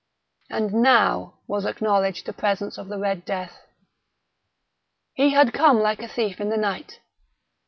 And now was acknowledged the presence of the Red Death. He had come like a thief in the night.